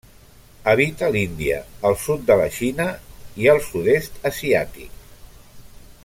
Habita l'Índia, el sud de la Xina i al sud-est asiàtic.